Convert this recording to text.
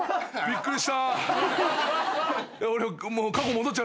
びっくりした。